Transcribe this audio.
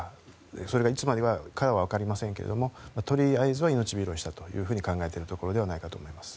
それがいつまでかはわかりませんがとりあえずは命拾いしたと考えているところではないかと思います。